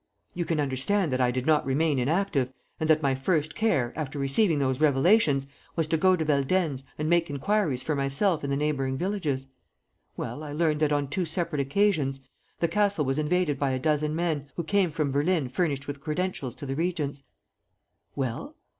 "You can understand that I did not remain inactive and that my first care, after receiving those revelations, was to go to Veldenz and make inquiries for myself in the neighboring villages. Well, I learnt that, on two separate occasions, the castle was invaded by a dozen men, who came from Berlin furnished with credentials to the regents." "Well?"